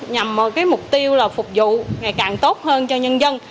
nhằm mục tiêu là phục vụ ngày càng tốt hơn cho nhân dân